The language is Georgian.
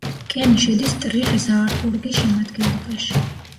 კენი შედის ტრირ-ზაარბურგის შემადგენლობაში.